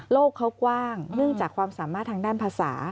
เขากว้างเนื่องจากความสามารถทางด้านภาษา